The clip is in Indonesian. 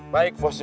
baik bos jun